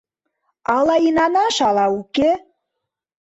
Ала инанаш, ала уке.